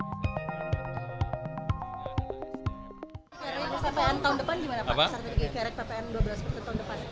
kerek ppn dua belas bulan tahun depan